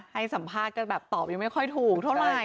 ให้สัมภาษณ์กันแบบตอบยังไม่ค่อยถูกเท่าไหร่